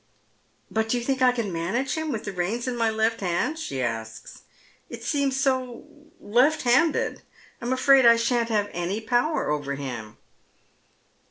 " But do you think I can manage him with the reins in my left hand ?" she asks. " It seems so left handed, I'm afraid I shan't have any power over him."